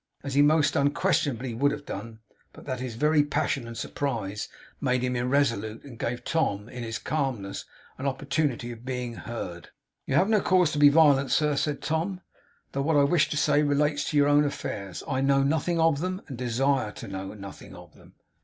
As he most unquestionably would have done, but that his very passion and surprise made him irresolute, and gave Tom, in his calmness, an opportunity of being heard. 'You have no cause to be violent, sir,' said Tom. 'Though what I wish to say relates to your own affairs, I know nothing of them, and desire to know nothing of them.